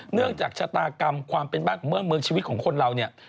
เนื่องจากชะตากรรมความเป็นบ้านของเมืองชีวิตของคนเราเนี่ย